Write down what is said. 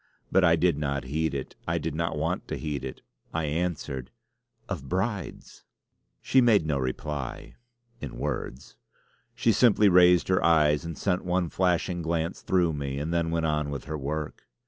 But I did not heed it. I did not want to heed it. I answered: "Of Brides!" She made no reply in words. She simply raised her eyes and sent one flashing glance through me, and then went on with her work.